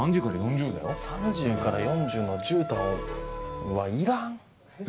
３０から４０のじゅうたんはいらん！